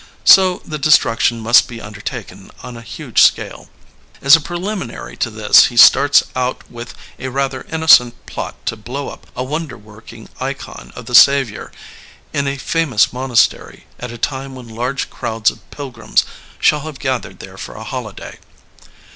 So the destruction must be undertaken 22 LEONID ANDREYEV on a huge scale. As a preliminary to this he starts out with a rather innocent plot to blow up a wonder working ikon of the Saviour in a famous monastery at a time when large crowds of pilgrims shall have gathered there for a holiday.